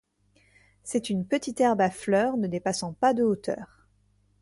C'est une petite herbe à fleurs ne dépassant pas de hauteur.